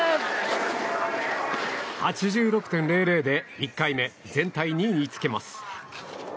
８６．００で１回目、全体２位につけます。